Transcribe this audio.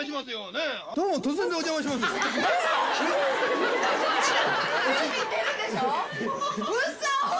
うそ！